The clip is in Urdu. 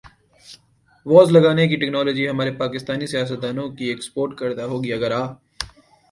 واز لگانے کی ٹیکنالوجی ہمارے پاکستانی سیاستدا نوں کی ایکسپورٹ کردہ ہوگی اگر آ